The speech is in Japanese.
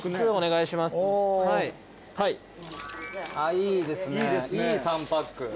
いいですねいい３パック。